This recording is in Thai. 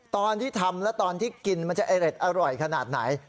ตอนที่ทำแล้วตอนที่กินมันจะอร็ดอร่อยขนาดไหน